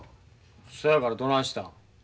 そやからどないしたん？